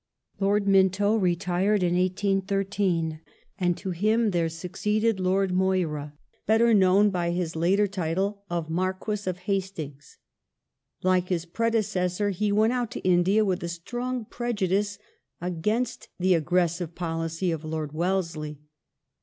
Lord Minto retired in 1813, and to him there succeeded Loi d Rule of Moira, better known by his later title of Marquess of Hastings. \^^^^^^ Like his predecessor, he went out to India with a strong prejudice 1814 1823 against the "aggressive " policy of Lord Wellesley.